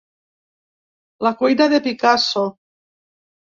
La cuina de Picasso.